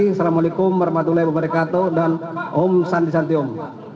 assalamu'alaikum warahmatullahi wabarakatuh dan om sandi santi om